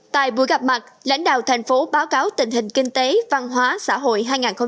tại buổi gặp mặt lãnh đạo thành phố báo cáo tình hình kinh tế văn hóa xã hội hai nghìn một mươi tám